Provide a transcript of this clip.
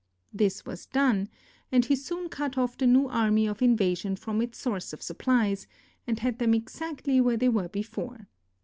This was done, and he soon cut off the new army of invasion from its source of supplies, and had them exactly where they were be fore.